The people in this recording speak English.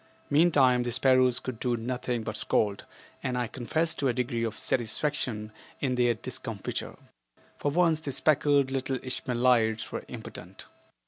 Meantime the sparrows could do nothing but scold, and I confess to a degree of satisfaction in their discomfiture. For once the speckled little Ishmaelites were impotent.